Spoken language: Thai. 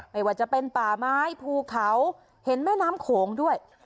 ไม่ว่าจะเป็นป่าไม้ภูเขาเห็นแม่น้ำโขงด้วย